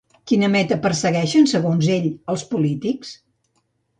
Quina meta persegueixen segons ell els polítics?